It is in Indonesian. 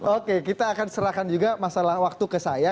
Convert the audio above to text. oke kita akan serahkan juga masalah waktu ke saya